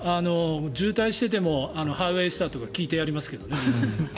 渋滞していても「ハイウェイスター」とか聞いてやりますけどね。